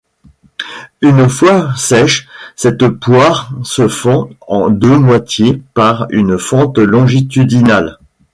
Une fois sèche, cette poire se fend en deux moitiés par une fente longitudinale.